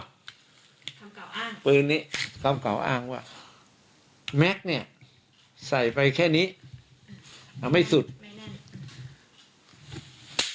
คำเก่าอ้างปืนนี้คำเก่าอ้างว่าเนี้ยใส่ไปแค่นี้อืมอ่าไม่สุดไม่แน่น